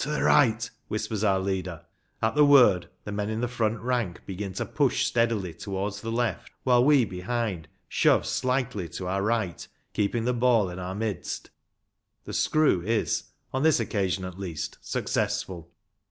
"To the right," whispers our leader; at the word the men in the front rank begin to push steadily towards the left, while we behind shove slightly to our right, keeping the ball in our midst. The '' screw " is, on this occasion at least, successful.